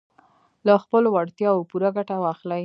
له خپلو وړتیاوو پوره ګټه واخلئ.